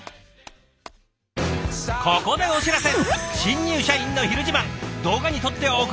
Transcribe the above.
ここでお知らせ。